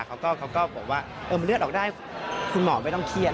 เขาก็บอกว่ามันเลือดออกได้คุณหมอไม่ต้องเครียด